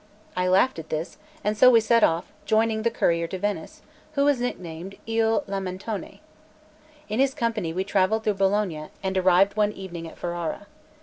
I laughed at this, and so we set off, joining the courier to Venice, who was nicknamed Il Lamentone. In his company we travelled through Bologna, and arrived one evening at Ferrara.